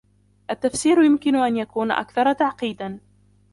التفسير يمكن أن يكون أكثر تعقيدا.